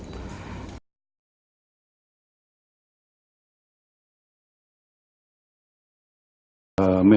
seperti riau kalimantan timur dan aceh